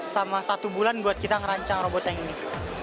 sama satu bulan buat kita ngerancang robot teknik